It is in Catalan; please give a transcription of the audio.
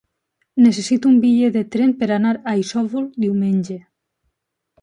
Necessito un bitllet de tren per anar a Isòvol diumenge.